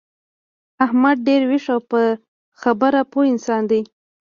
احمد ډېر ویښ او په خبره پوه انسان دی.